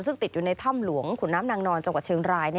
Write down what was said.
ซึ่งติดอยู่ในถ้ำหลวงขุนน้ำนางนอนจังหวัดเชียงราย